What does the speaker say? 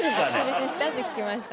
印したって聞きました。